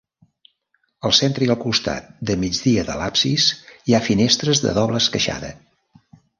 Al centre i al costat de migdia de l'absis hi ha finestres de doble esqueixada.